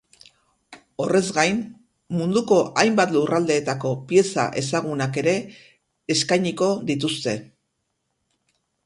Horrez gain, munduko hainbat lurraldeetako pieza ezagunak ere eskainiko dituzte.